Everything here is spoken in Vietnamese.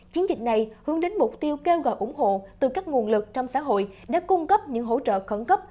chiến dịch này hướng đến mục tiêu kêu gọi ủng hộ từ các nguồn lực trong xã hội để cung cấp những hỗ trợ khẩn cấp